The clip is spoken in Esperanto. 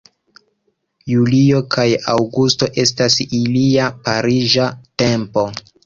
Julio kaj aŭgusto estas ilia pariĝa tempo.